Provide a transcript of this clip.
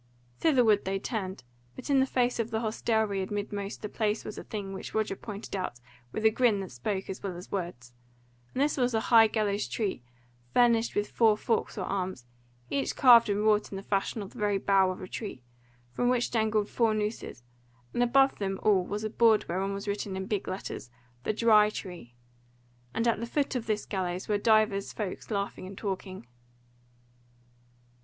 Thitherward they turned; but in the face of the hostelry amidmost the place was a thing which Roger pointed at with a grin that spoke as well as words; and this was a high gallows tree furnished with four forks or arms, each carved and wrought in the fashion of the very bough of a tree, from which dangled four nooses, and above them all was a board whereon was written in big letters THE DRY TREE. And at the foot of this gallows were divers folk laughing and talking.